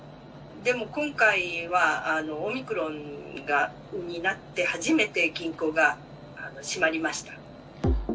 でも、今回はオミクロンになって初めて銀行が閉まりました。